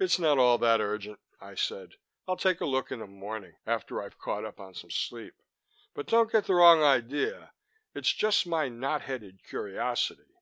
"It's not all that urgent," I said. "I'll take a look in the morning after I've caught up on some sleep. But don't get the wrong idea it's just my knot headed curiosity."